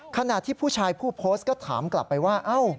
ขณะที่ผู้ชายผู้โพสต์ก็ถามกลับไปว่า